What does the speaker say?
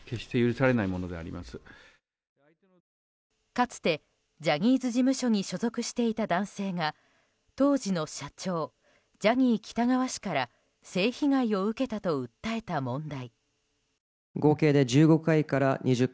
かつてジャニーズ事務所に所属していた男性が当時の社長ジャニー喜多川氏から性被害を受けたと訴えた問題。